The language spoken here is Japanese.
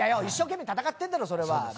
一生懸命戦ってんだろそれは。